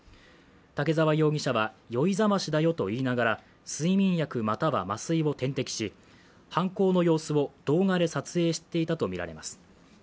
竹沢容疑者は「酔いざましだよ」と言いながら睡眠薬または麻酔を点滴し犯行の様子を動画で撮影していたとみられます。